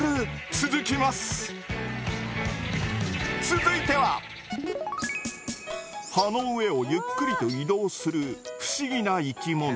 続いては葉の上をゆっくりと移動する不思議な生き物。